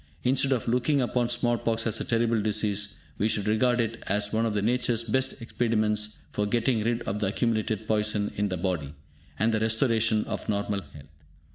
Instead of looking upon small pox as a terrible disease, we should regard it as one of Nature's best expedients for getting rid of the accumulated poison in the body, and the restoration of normal health.